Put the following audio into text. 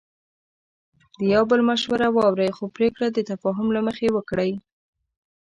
د یو بل مشوره واورئ، خو پریکړه د تفاهم له مخې وکړئ.